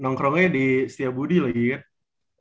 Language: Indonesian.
nongkrongnya di setia budi lagi kan